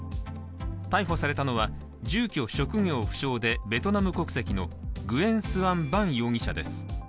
逮捕されたのは、住居・職業不詳でベトナム国籍のグエン・スアン・バン容疑者です。